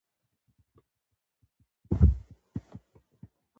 په غم کې یې سر په ډاګ وواهه.